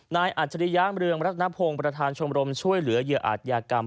นายอัจริยามเรืองรัฐนพงษ์ประธานชมรมช่วยเหลือเยอะอัดยากรรม